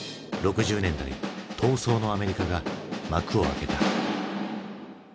６０年代闘争のアメリカが幕を開けた。